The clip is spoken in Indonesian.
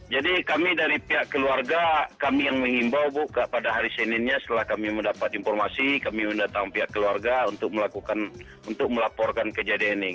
jadi kami dari pihak keluarga kami yang mengimbau bu pada hari seninnya setelah kami mendapat informasi kami mendatang pihak keluarga untuk melaporkan kejadian ini